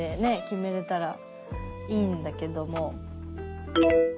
決めれたらいいんだけども。